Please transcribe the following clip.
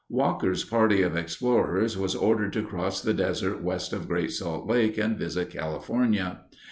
Walker's party of explorers was ordered to cross the desert west of Great Salt Lake and visit California.